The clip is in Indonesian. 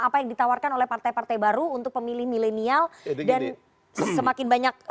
apa yang ditawarkan oleh partai partai baru untuk pemilih milenial dan semakin banyak